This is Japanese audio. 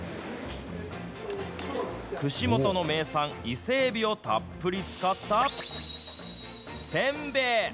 串本の名産、イセエビをたっぷり使ったせんべい。